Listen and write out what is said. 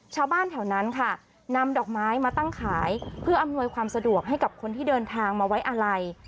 ชาวบ้านแถวนั้นค่ะนำดอกไม้มาตั้งขายเพื่ออำนวยความสะดวกให้กับคนที่เดินทางมาไว้อาลัย